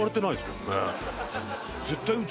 絶対。